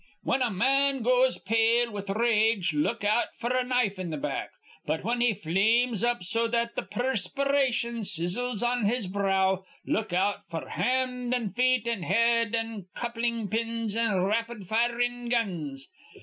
Whin a ma an goes pale with r rage, look out f'r a knife in th' back. But, whin he flames up so that th' perspi ration sizzles on his brow, look out f'r hand an' feet an' head an' coupling pins an' rapid firin' guns.